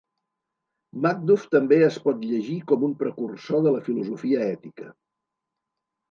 Macduff també es pot llegir com un precursor de la filosofia ètica.